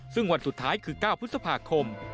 ซึ่งวันสุดท้ายคือ๙พฤษภาคม